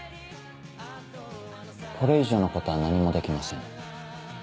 これ以上のことは何もできません。